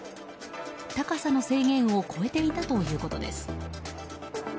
高さの制限を超えていたということです。